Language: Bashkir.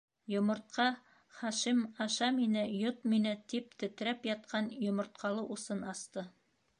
Йомортҡа, - Хашим «аша мине, йот мине!» тип тетрәп ятҡан йомортҡалы усын асты.